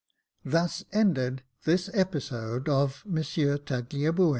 Thus ended this episode of Monsieur Tagliabue.